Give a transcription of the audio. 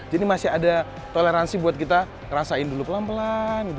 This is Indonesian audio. jadi masih ada toleransi buat kita rasain dulu pelan pelan gitu